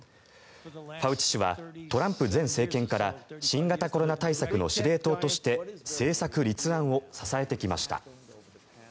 ファウチ氏はトランプ前政権から新型コロナ対策の司令塔として政策立案を支えてきました。